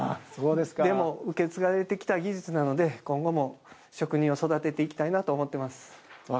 でも、受け継がれてきた技術なので今後も職人を育てていきたいなと思ってます。